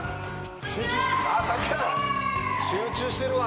集中してるわ。